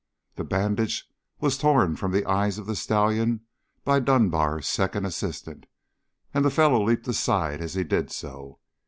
The bandage was torn from the eyes of the stallion by Dunbar's second assistant, and the fellow leaped aside as he did so.